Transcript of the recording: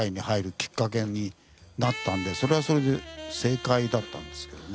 それはそれで正解だったんですけどね。